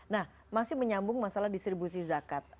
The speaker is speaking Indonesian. nah masih menyambung masalah distribusi zakat